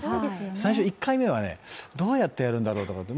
最初１回目はどうやってやるんだろうと思って。